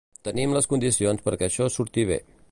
Tenim les condicions perquè això surti bé.